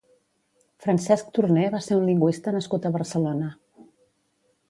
Francesc Torner va ser un lingüista nascut a Barcelona.